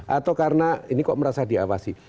atau karena ini kok merasa diawasi